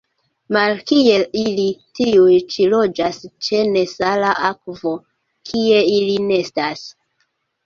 Malkiel ili, tiuj ĉi loĝas ĉe nesala akvo, kie ili nestas.